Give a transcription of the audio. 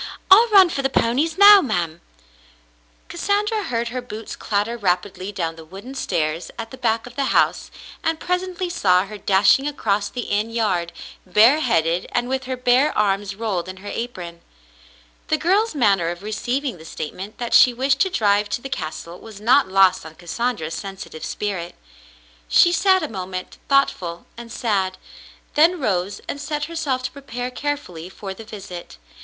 I'll run for the ponies now, ma'm. Cassandra heard her boots clatter rapidly down the wooden stairs at the back of the house, and presently saw her dashing across the inn yard, bareheaded and with her bare arms rolled in her apron. The girl's manner of receiving the statement that she wished to drive to the castle was not lost on Cassandra's sensitive spirit. She sat a moment, thoughtful and sad, then rose and set herself to prepare carefully for the visit.